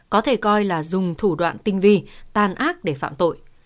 có thể coi là dùng thủ đoạn tinh vi tan ác để phạm tội